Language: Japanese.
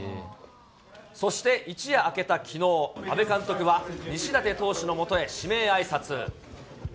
そして一夜明けたきのう、阿部監督は西舘投手のもとへ、指名あいさつ。